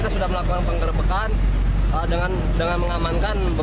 terus kerasanya gimana itu